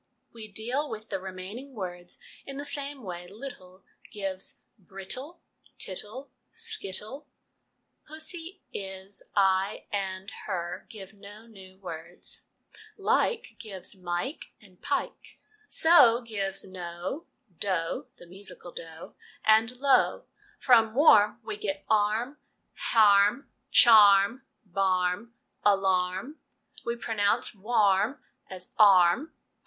We deal with the remaining words in the same way 'little' gives brittle, tittle, skittle: pussy, is, I, and her, give no new words. ' Like ' gives mike and pike. ' So ' gives no, do (the musical ' do '), and lo ! From ' warm ' we get arm, harm, charm, barm, alarm ; we pronounce warm as arm.